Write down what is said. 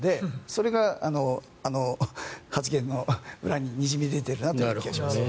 それが発言の裏ににじみ出ているなという気がしますね。